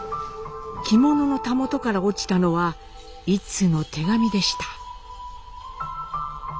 着物のたもとから落ちたのは１通の手紙でした。